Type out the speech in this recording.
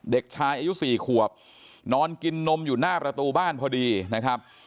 เด็กชายอายุ๔ขวบนอนกินนมอยู่หน้าประตูบ้านพอดีนะครับ